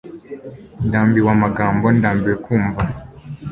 Ndambiwe amagambo Ndambiwe kumva